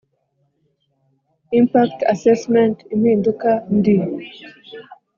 impact assessment impinduka Ndi